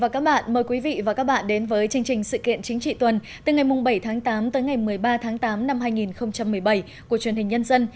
các bạn hãy đăng ký kênh để ủng hộ kênh của chúng mình nhé